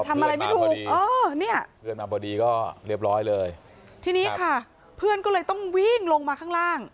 ทำอะไรไม่ถูกเออเนี่ยเพื่อนมาพอดีก็เรียบร้อยเลยทีนี้ค่ะเพื่อนก็เลยต้องวิ่งลงมาข้างล่าง